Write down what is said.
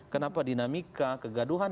kenapa dinamika kegaduhan